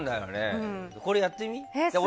これ、やってみ。